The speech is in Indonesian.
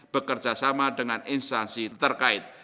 bekerja sama dengan instansi terkait